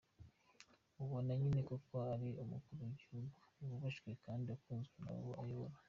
Ubona nyine ko koko ari umukuru w’igihugu wubashywe kandi ukunzwe n’abo ayobora!